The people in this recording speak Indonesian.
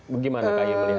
bagaimana kakaknya melihatnya